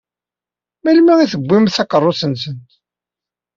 Melmi i tewwim takeṛṛust-nsen?